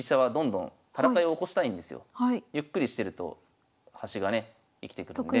ゆっくりしてると端がね生きてくるので。